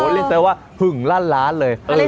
นี่แสดงว่าผึ่งล่านร้านเลย